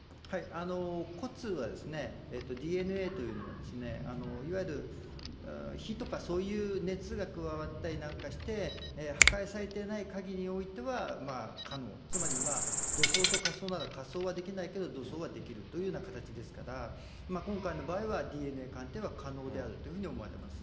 骨は、ＤＮＡというのは、いわゆる火とかそういう熱が加わったりなんかして、破壊されていないかぎりにおいては可能、つまり土葬と火葬なら、火葬はできないけれども、土葬はできるというような形ですから、今回の場合はＤＮＡ鑑定は可能であるというふうに思われます。